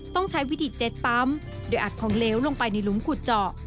ต้องใช้วิธีเจ็ตปั๊มด้วยแอดของเลี้ยวลงไปในรุมขุดเจาะ